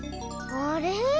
あれ？